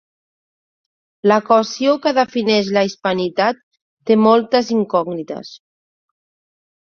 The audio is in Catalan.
L'equació que defineix la hispanitat té moltes incògnites.